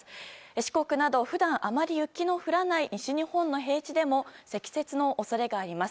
四国など普段あまり雪の降らない西日本の平地でも積雪の恐れがあります。